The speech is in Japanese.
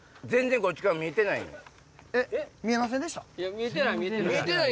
見えてない見えてない。